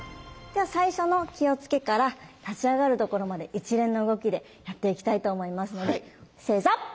では最初の気をつけから立ち上がるところまで一連の動きでやっていきたいと思いますので正座！